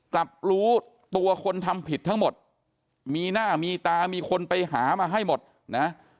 กลับรู้ตัวคนทำผิดทั้งหมดมีหน้ามีตามีคนไปหามาให้หมดนะ